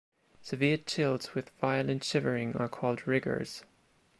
Severe chills with violent shivering are called rigors.